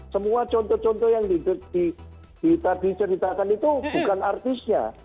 semua contoh contoh yang diceritakan itu bukan artisnya